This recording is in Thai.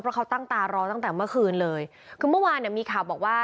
เพราะเขาตั้งตารอตั้งแต่เมื่อคืนเลยคือเมื่อวานเนี่ยมีข่าวบอกว่า